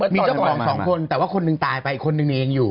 มีเจ้าของสองคนแต่ว่าคนหนึ่งตายไปอีกคนนึงเองอยู่